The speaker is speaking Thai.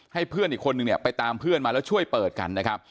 ให้เพื่อนอีกคนนึงเนี่ยไปตามเพื่อนมาแล้วช่วยเปิดกันนะครับ